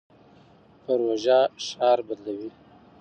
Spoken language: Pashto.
پروژه ښار بدلوي.